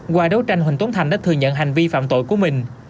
qua đấu tranh huỳnh tuấn thành đã thừa nhận hành vi phạm tội của mình